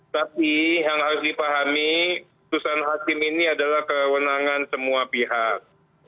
tapi yang harus dipahami putusan hakim ini adalah kewenangan semua pihak